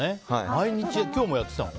毎日って今日もやってきたの？